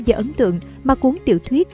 và ấn tượng mà cuốn tiểu thuyết